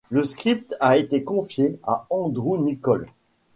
Le script a été confié à Andrew Niccol.